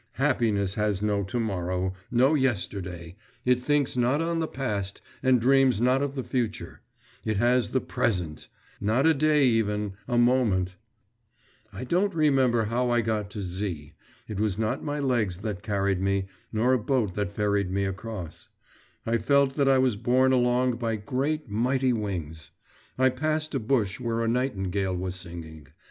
Happiness has no to morrow, no yesterday; it thinks not on the past, and dreams not of the future; it has the present not a day even a moment. I don't remember how I got to Z. It was not my legs that carried me, nor a boat that ferried me across; I felt that I was borne along by great, mighty wings. I passed a bush where a nightingale was singing.